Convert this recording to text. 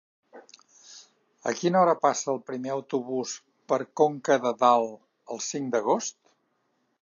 A quina hora passa el primer autobús per Conca de Dalt el cinc d'agost?